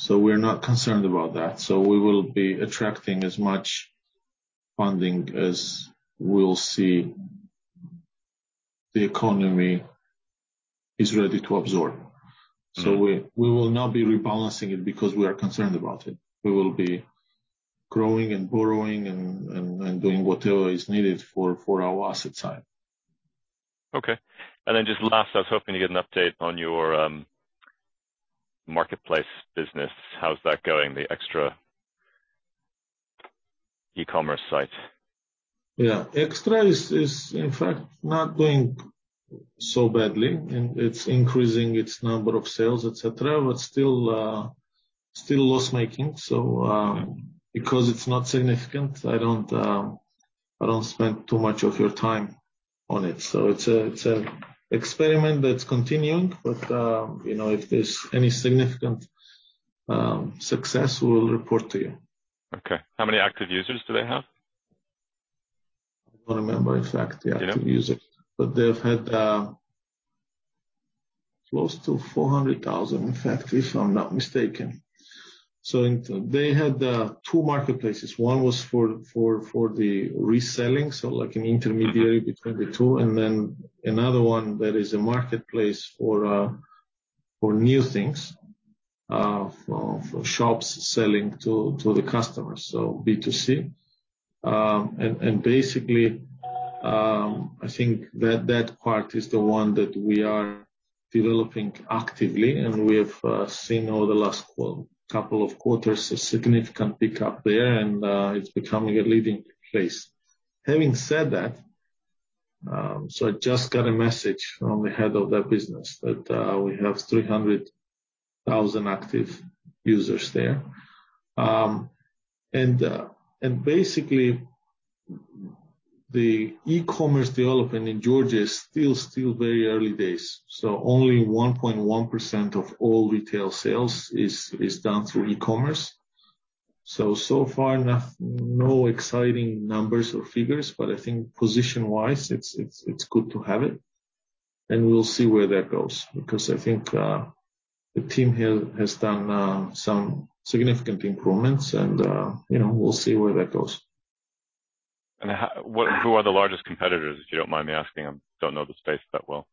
S2: We're not concerned about that. We will be attracting as much funding as we'll see the economy is ready to absorb.
S5: Mm-hmm.
S2: We will not be rebalancing it because we are concerned about it. We will be growing and borrowing and doing whatever is needed for our asset side.
S5: Okay. Just last, I was hoping to get an update on your marketplace business. How's that going, the Extra.ge e-commerce site?
S2: Yeah. Extra.ge is in fact not doing so badly. It's increasing its number of sales, et cetera, but still loss-making. Because it's not significant, I don't spend too much of your time on it. It's an experiment that's continuing, but you know, if there's any significant success, we'll report to you.
S5: Okay. How many active users do they have?
S2: I don't remember, in fact, the active users.
S5: You don't?
S2: They've had close to 400,000, in fact, if I'm not mistaken. They had two marketplaces. One was for the reselling, so like an intermediary between the two.
S5: Mm-hmm.
S2: Then another one that is a marketplace for new things, for shops selling to the customers, so B2C. And basically, I think that part is the one that we are developing actively, and we have seen over the last couple of quarters a significant pick-up there. It's becoming a leading place. Having said that, I just got a message from the head of that business that we have 300,000 active users there. And basically the e-commerce development in Georgia is still very early days. Only 1.1% of all retail sales is done through e-commerce. So far, no exciting numbers or figures, but I think position wise, it's good to have it. We'll see where that goes because I think, the team here has done some significant improvements and, you know, we'll see where that goes.
S5: Who are the largest competitors, if you don't mind me asking? I don't know the space that well.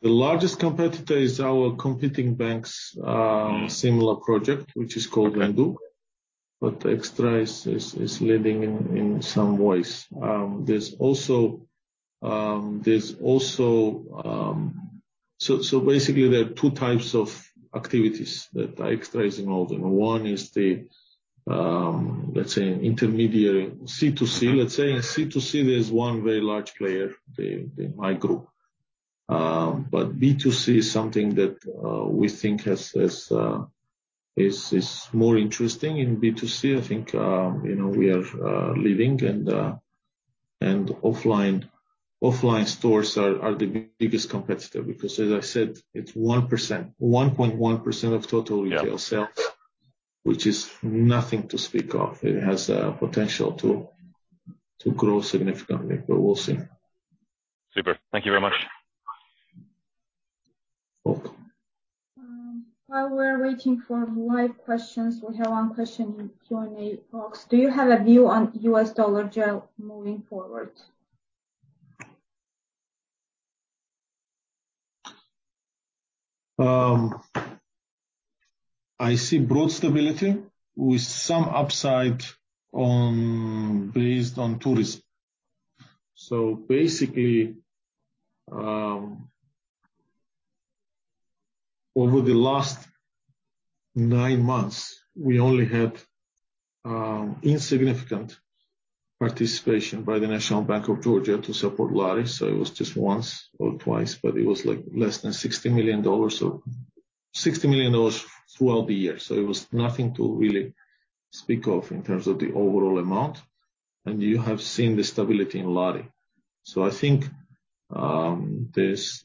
S2: The largest competitor is our competing banks.
S5: Mm.
S2: similar project, which is called Randeu. Extra is leading in some ways. Basically there are two types of activities that Extra is involved in. One is, let's say, an intermediary C2C. In C2C, there's one very large player, the Mymarket. B2C is something that we think is more interesting. In B2C, I think, you know, we are leading and offline stores are the biggest competitor because as I said, it's 1.1% of total retail sales.
S5: Yeah.
S2: Which is nothing to speak of. It has a potential to grow significantly, but we'll see.
S5: Super. Thank you very much.
S2: Cool.
S1: While we're waiting for more questions, we have one question in Q&A box. Do you have a view on US dollar GEL moving forward?
S2: I see broad stability with some upside based on tourism. Basically, over the last nine months, we only had insignificant participation by the National Bank of Georgia to support lari. It was just once or twice, but it was like less than $60 million. $60 million throughout the year. It was nothing to really speak of in terms of the overall amount. You have seen the stability in lari. I think there's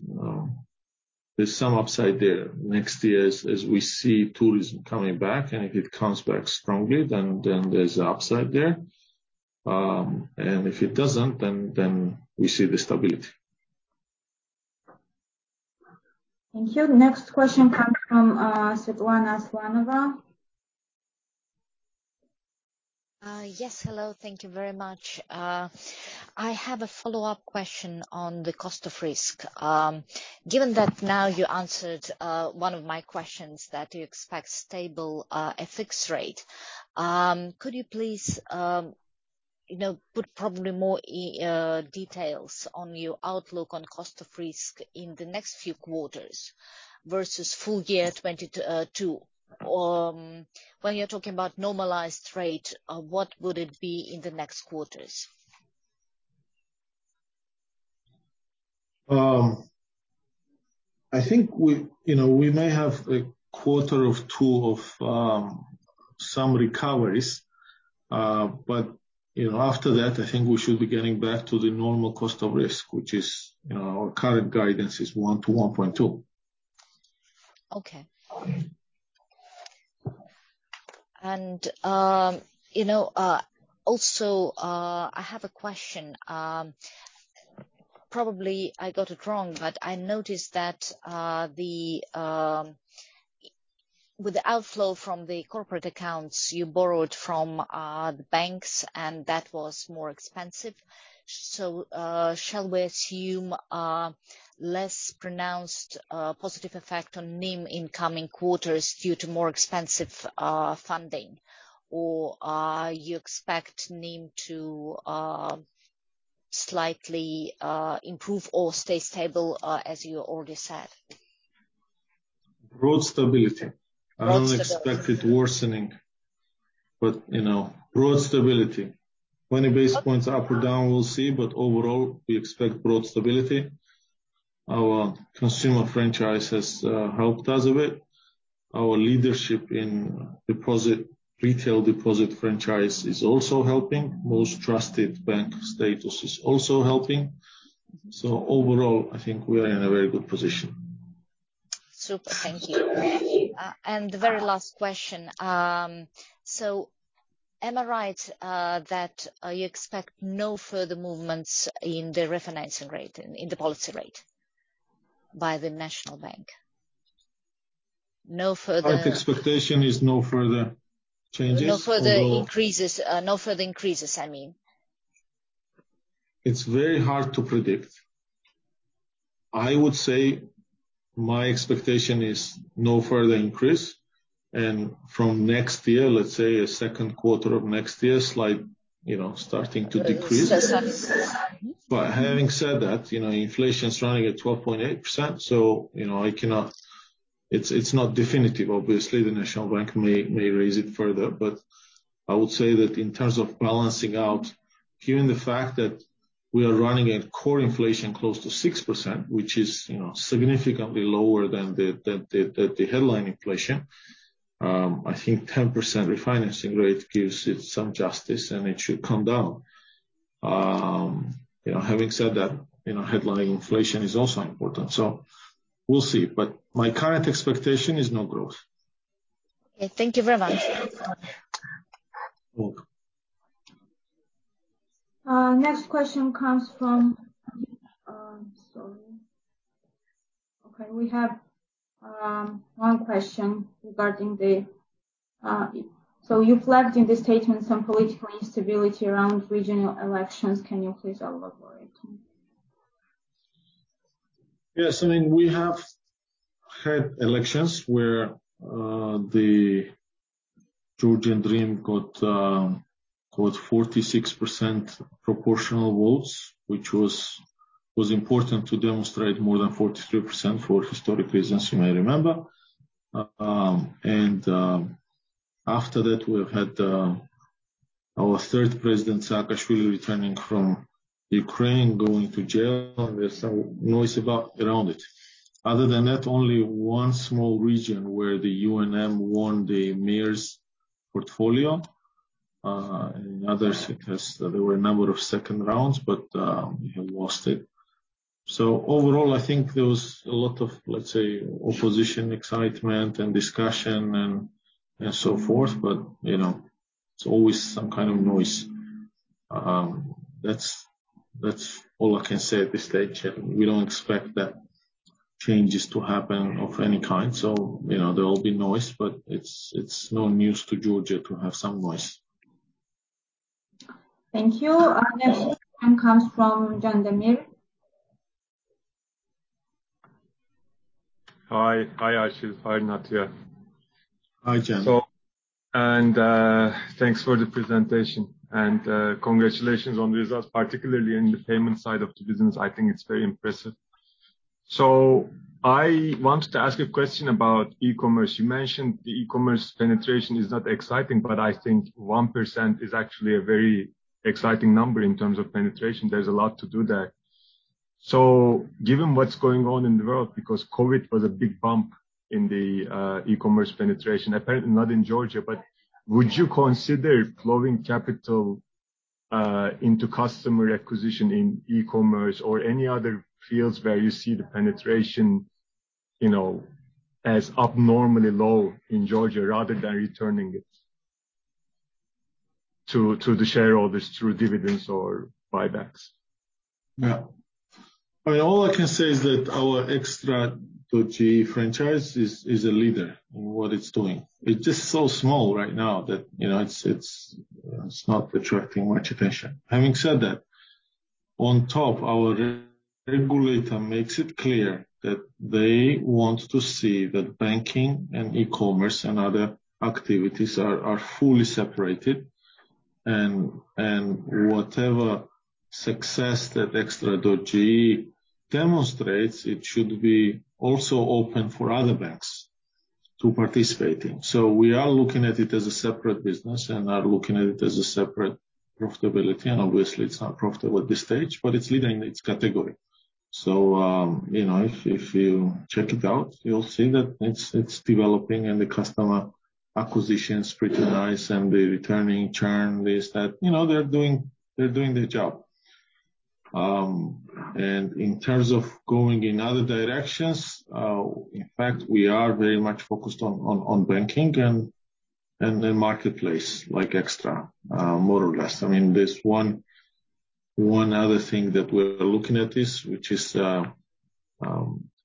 S2: some upside there. Next year, as we see tourism coming back, and if it comes back strongly, then there's upside there. If it doesn't, then we see the stability.
S1: Thank you. The next question comes from Svetlana Shelamova.
S6: Yes, hello. Thank you very much. I have a follow-up question on the cost of risk. Given that now you answered one of my questions that you expect stable a fixed rate, could you please you know put probably more details on your outlook on cost of risk in the next few quarters versus full year 2022? When you're talking about normalized rate, what would it be in the next quarters?
S2: I think we, you know, may have a quarter or two of some recoveries. You know, after that, I think we should be getting back to the normal cost of risk, which is, you know, our current guidance is 1%-1.2%.
S6: Okay. You know, also, I have a question. Probably I got it wrong, but I noticed that with the outflow from the corporate accounts you borrowed from the banks, and that was more expensive. Shall we assume a less pronounced positive effect on NIM in coming quarters due to more expensive funding? Or you expect NIM to slightly improve or stay stable, as you already said?
S2: Broad stability.
S6: Broad stability.
S2: I don't expect it worsening, but, you know, broad stability. 20 basis points up or down, we'll see. Overall, we expect broad stability. Our consumer franchise has helped us a bit. Our leadership in deposit, retail deposit franchise is also helping. Most trusted bank status is also helping. Overall, I think we are in a very good position.
S6: Super. Thank you. The very last question. Am I right that you expect no further movements in the refinancing rate, in the policy rate by the National Bank? No further-
S2: Our expectation is no further changes.
S6: No further increases, I mean.
S2: It's very hard to predict. I would say my expectation is no further increase, and from next year, let's say a second quarter of next year, slight, you know, starting to decrease. Having said that, you know, inflation's running at 12.8%, so, you know, I cannot. It's not definitive. Obviously, the National Bank may raise it further. I would say that in terms of balancing out, given the fact that we are running at core inflation close to 6%, which is, you know, significantly lower than the headline inflation, I think 10% refinancing rate gives it some justice, and it should come down. You know, having said that, you know, headline inflation is also important, so we'll see. My current expectation is no growth.
S1: Okay. Thank you very much.
S2: Welcome.
S1: We have one question regarding, so you flagged in the statement some political instability around regional elections. Can you please elaborate?
S2: Yes. I mean, we have had elections where the Georgian Dream got 46% proportional votes, which was important to demonstrate more than 43% for historic reasons, you may remember. After that, we've had our third President Saakashvili returning from Ukraine, going to jail. There's some noise around it. Other than that, only one small region where the UNM won the mayor's portfolio. In others, there were a number of second rounds, but we have lost it. So overall, I think there was a lot of, let's say, opposition, excitement, and discussion and so forth, but you know, it's always some kind of noise. That's all I can say at this stage. We don't expect the changes to happen of any kind. You know, there will be noise, but it's no news to Georgia to have some noise.
S1: Thank you. Next one comes from Can Ozguzel.
S7: Hi. Hi, Archil. Hi, Natia.
S2: Hi, Can.
S7: Thanks for the presentation, and congratulations on the results, particularly in the payment side of the business. I think it's very impressive. I wanted to ask a question about e-commerce. You mentioned the e-commerce penetration is not exciting, but I think 1% is actually a very exciting number in terms of penetration. There's a lot to do there. Given what's going on in the world, because COVID was a big bump in the e-commerce penetration, apparently not in Georgia, but would you consider flowing capital into customer acquisition in e-commerce or any other fields where you see the penetration, you know, as abnormally low in Georgia rather than returning it to the shareholders through dividends or buybacks?
S2: Yeah. I mean, all I can say is that our Extra.ge franchise is a leader in what it's doing. It's just so small right now that, you know, it's not attracting much attention. Having said that, on top, our regulator makes it clear that they want to see that banking and e-commerce and other activities are fully separated. Whatever success that Extra.ge demonstrates, it should be also open for other banks to participate in. We are looking at it as a separate business and are looking at it as a separate profitability. Obviously it's not profitable at this stage, but it's leading its category. If you check it out, you'll see that it's developing and the customer acquisition's pretty nice and the returning churn, this that. You know, they're doing their job. In terms of going in other directions, in fact, we are very much focused on banking and the marketplace, like Extra.ge, more or less. I mean, there's one other thing that we're looking at, which is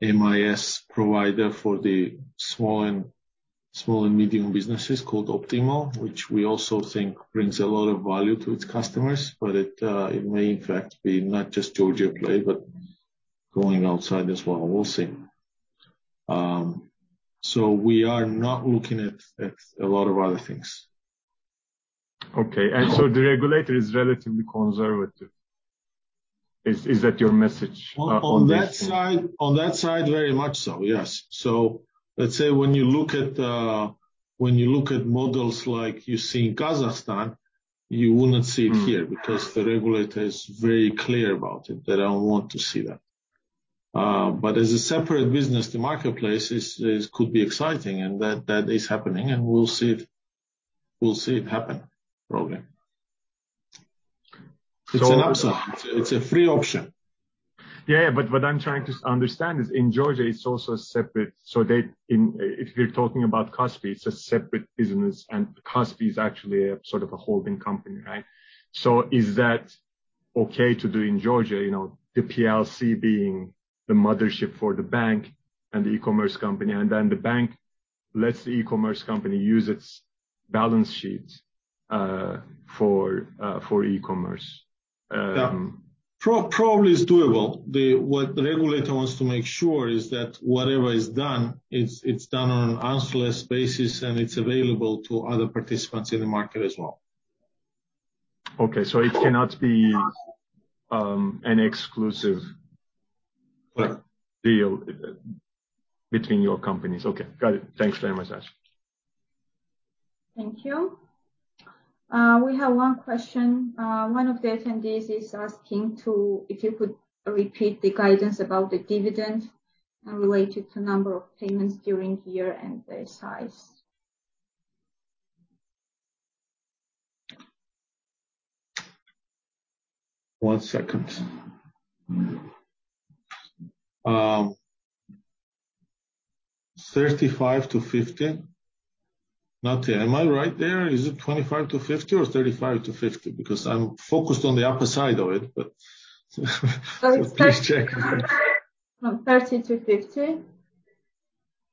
S2: MIS provider for the small and medium businesses called Optimo, which we also think brings a lot of value to its customers. But it may in fact be not just Georgia play, but going outside as well. We'll see. We are not looking at a lot of other things.
S7: Okay. The regulator is relatively conservative. Is that your message on that?
S2: On that side, very much so, yes. Let's say when you look at models like you see in Kazakhstan, you wouldn't see it here.
S7: Mm-hmm.
S2: Because the regulator is very clear about it, they don't want to see that. As a separate business, the marketplace could be exciting and that is happening and we'll see it happen probably.
S7: So-
S2: It's an upside. It's a free option.
S7: What I'm trying to understand is in Georgia it's also separate. If we're talking about Kaspi.kz, it's a separate business, and Kaspi.kz is actually a sort of a holding company, right? Is that okay to do in Georgia? You know, the PLC being the mothership for the bank and the e-commerce company, and then the bank lets the e-commerce company use its balance sheet for e-commerce.
S2: Yeah. Probably it's doable. What the regulator wants to make sure is that whatever is done, it's done on an arm's length basis, and it's available to other participants in the market as well.
S7: Okay. It cannot be an exclusive like deal between your companies. Okay, got it. Thanks very much, Archil.
S1: Thank you. We have one question. One of the attendees is asking if you could repeat the guidance about the dividend and related to number of payments during year and their size.
S2: One second. 35-50. Natia, am I right there? Is it 25-50 or 35-50? Because I'm focused on the upper side of it, but please check.
S1: 30-50.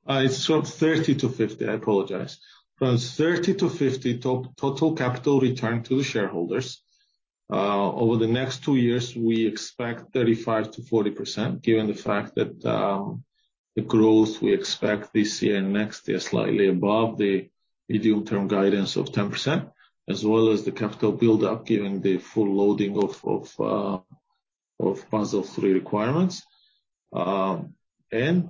S2: It's 30-50. I apologize. From 30-50 total capital return to the shareholders. Over the next two years, we expect 35%-40%, given the fact that the growth we expect this year and next year slightly above the medium-term guidance of 10%. As well as the capital build-up given the full loading of Basel III requirements. Then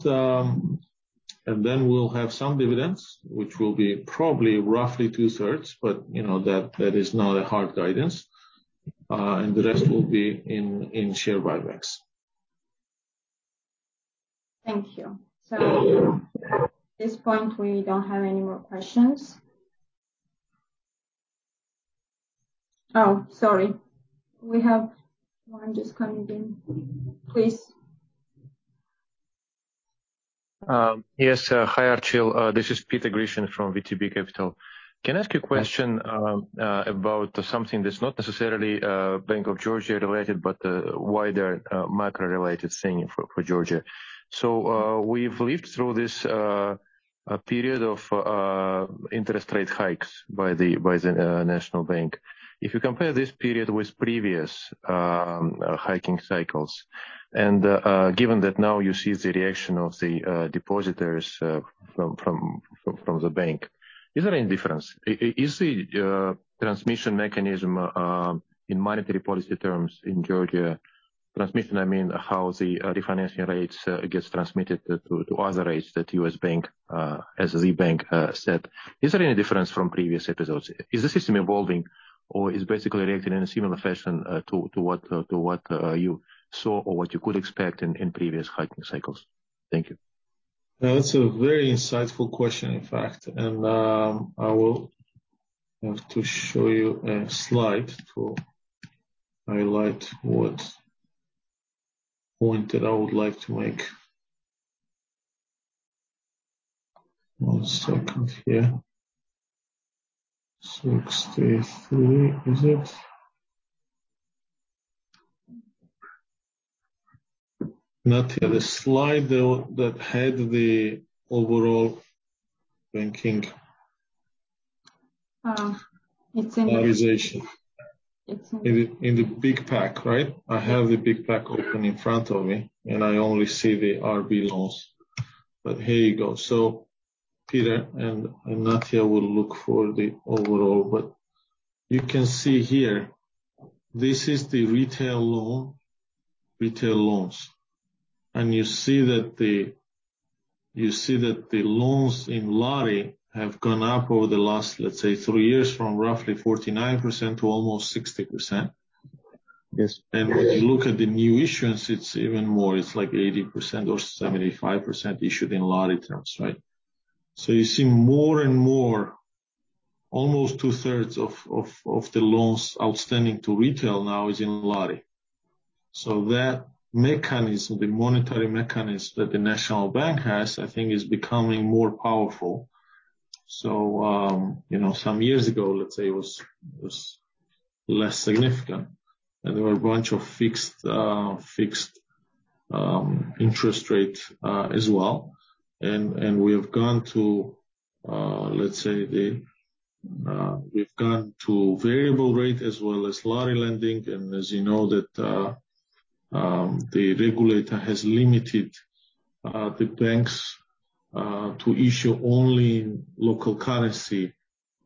S2: we'll have some dividends, which will be probably roughly two-thirds, but you know, that is not a hard guidance. And the rest will be in share buybacks.
S1: Thank you. At this point, we don't have any more questions. Oh, sorry. We have one just coming in. Please.
S8: Yes. Hi, Archil. This is Petr Grishin from VTB Capital. Can I ask you a question about something that's not necessarily Bank of Georgia related, but wider macro-related thing for Georgia. We've lived through this period of interest rate hikes by the National Bank. If you compare this period with previous hiking cycles and given that now you see the reaction of the depositors from the bank. Is there any difference? Is the transmission mechanism in monetary policy terms in Georgia. Transmission, I mean, how the refinancing rates gets transmitted to other rates that you as the bank set. Is there any difference from previous episodes? Is the system evolving or is basically reacting in a similar fashion to what you saw or what you could expect in previous hiking cycles? Thank you.
S2: That's a very insightful question, in fact. I will have to show you a slide to highlight what point that I would like to make. One second here. 63, is it? Natia, the slide that had the overall banking-
S1: Um, it's in-
S2: Organization.
S1: It's in-
S2: In the big pack, right? I have the big pack open in front of me, and I only see the RB loans. Here you go. Peter and Natia will look for the overall. You can see here, this is the retail loans. You see that the loans in lari have gone up over the last, let's say, 3 years, from roughly 49% to almost 60%.
S8: Yes.
S2: When you look at the new issuance, it's even more, it's like 80% or 75% issued in lari terms, right? You see more and more, almost two-thirds of the loans outstanding to retail now is in lari. That mechanism, the monetary mechanism that the National Bank has, I think, is becoming more powerful. You know, some years ago, let's say, it was less significant, and there were a bunch of fixed interest rate as well. We have gone to, let's say, we've gone to variable rate as well as lari lending. As you know that, the regulator has limited the banks to issue only in local currency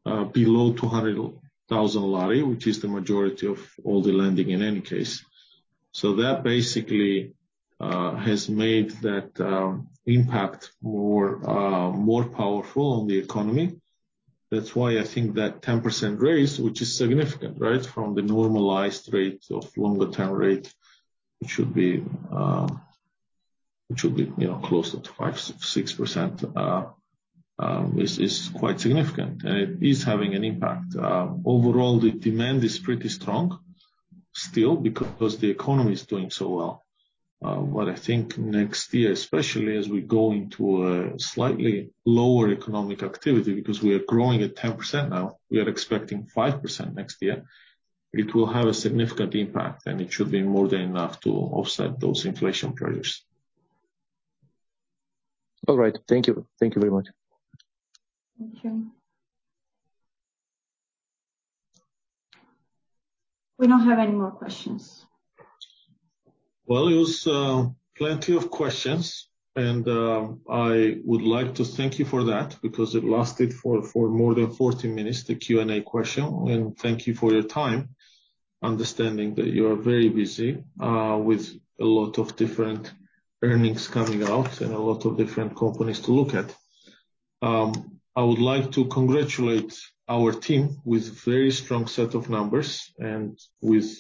S2: below 200,000 GEL, which is the majority of all the lending in any case. That basically has made that impact more powerful on the economy. That's why I think that 10% raise, which is significant, right? From the normalized rate of longer-term rate, which should be, you know, closer to 5-6%, is quite significant, and it is having an impact. Overall, the demand is pretty strong still because the economy is doing so well. What I think next year, especially as we go into a slightly lower economic activity because we are growing at 10% now, we are expecting 5% next year. It will have a significant impact, and it should be more than enough to offset those inflation pressures.
S8: All right. Thank you. Thank you very much.
S1: Okay. We don't have any more questions.
S2: Well, it was plenty of questions. I would like to thank you for that because it lasted for more than 40 minutes, the Q&A question. Thank you for your time, understanding that you are very busy with a lot of different earnings coming out and a lot of different companies to look at. I would like to congratulate our team with very strong set of numbers and with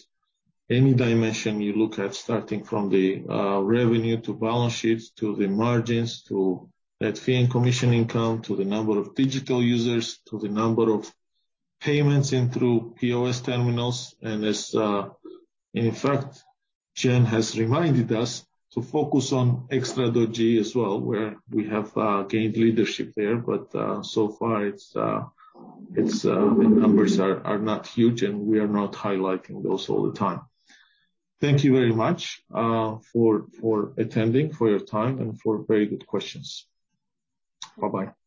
S2: any dimension you look at, starting from the revenue to balance sheets, to the margins, to that fee and commission income, to the number of digital users, to the number of payments in through POS terminals. In fact, Jen has reminded us to focus on Extra.ge as well, where we have gained leadership there. So far, it's the numbers are not huge, and we are not highlighting those all the time. Thank you very much for attending, for your time, and for very good questions. Bye-bye.